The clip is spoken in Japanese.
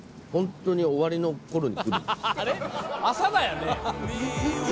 朝だよね？